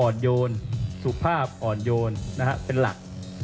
โยนสุภาพอ่อนโยนเป็นหลัก